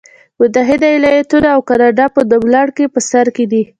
متحده ایالتونه او کاناډا په نوملړ کې په سر کې دي.